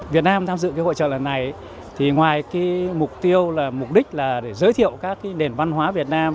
việt nam tham dự hội trợ lần này ngoài mục đích giới thiệu các nền văn hóa việt nam